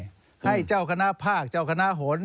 ที่จะให้เจ้าคณะภาคเจ้าคณะหน้าหนท์